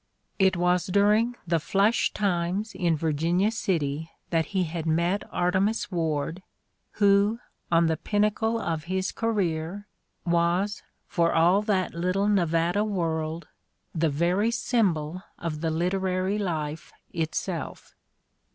It was during the "flush times" in Virginia City that he had met Artemus "Ward who, on the pinnacle of his career, was, for all that little Nevada world, the very symbol of the literary life itself.